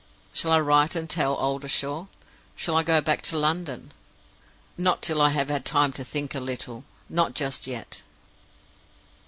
"Shall I write and tell Oldershaw? Shall I go back to London? Not till I have had time to think a little. Not just yet.